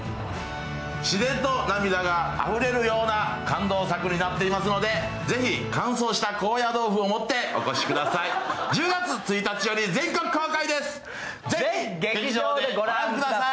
自然と涙があふれるような感動作になっていますので、ぜひ乾燥した高野豆腐を持ってお越しください。